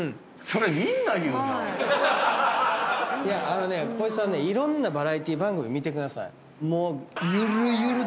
あのね光一さんねいろんなバラエティー番組見てください。